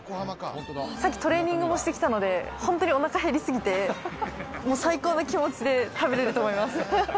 さっきトレーニングもしてきたので、本当にお腹減りすぎて最高な気持ちで食べれると思います。